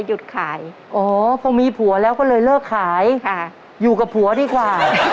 ก็เลยหยุดขายอะพอมีผัวแล้วก็เลยเลือกขายค่ะอยู่กับผัวด้วยค่ะ